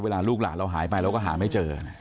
ลูกหลานเราหายไปเราก็หาไม่เจอ